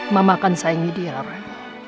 mama akan sayangi diri